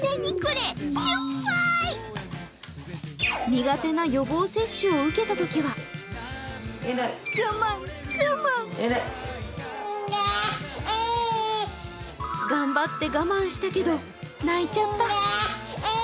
苦手な予防接種を受けたときは頑張って、我慢したけど泣いちゃった。